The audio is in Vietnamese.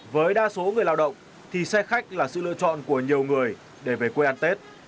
với đa số người lao động thì xe khách là sự lựa chọn của nhiều người để về quê ăn tết